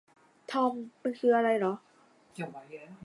ทอม มันคืออะไรหรอ